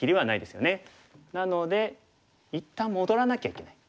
なので一旦戻らなきゃいけない。